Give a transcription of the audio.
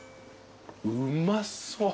うまそう。